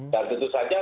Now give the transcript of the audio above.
dan tentu saja